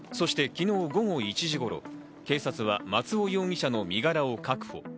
そして昨日午後１時頃、警察は松尾容疑者の身柄を確保。